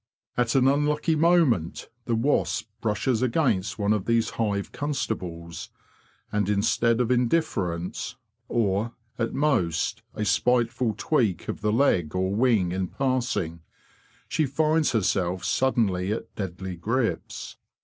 At an unlucky moment the wasp brushes against one of these hive constables and instead of indifference, or, at most, a spiteful tweak of the leg or wing in passing, she finds herself suddenly at deadly grips.